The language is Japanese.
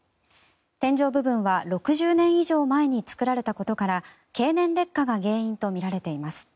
天井部分は６０年以上前に作られたことから経年劣化が原因とみられています。